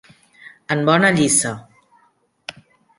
En bona lliça.